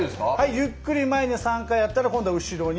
ゆっくり前に３回やったら今度は後ろに。